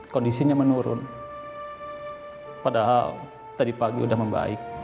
kondisinya menurun padahal tadi pagi sudah membaik